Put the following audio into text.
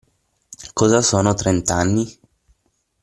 Cosa sono trent'anni?